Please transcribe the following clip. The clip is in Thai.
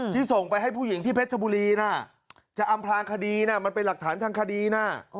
ส่งไปให้ผู้หญิงที่เพชรบุรีนะจะอำพลางคดีนะมันเป็นหลักฐานทางคดีนะ